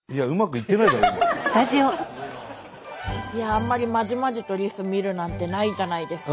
あんまりまじまじとリス見るなんてないじゃないですか。